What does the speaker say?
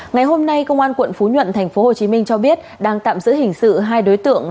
ngày hôm nay công an quận phú nhuận tp hcm cho biết đang tạm giữ hình sự hai đối tượng